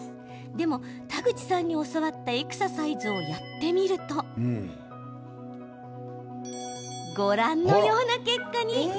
でも、田口さんに教わったエクササイズをやってみるとご覧のような結果に。